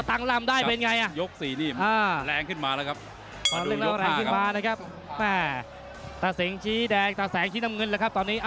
ตั้งลำได้เป็นไงยก๔นี่แรงขึ้นมาแล้วครับ